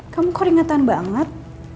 kamu kok ringetan banget